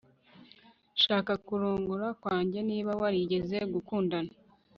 Shaka kurongora kwanjye niba warigeze gukundana